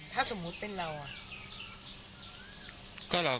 ถ้าสมมุติเป็นเราอ่ะ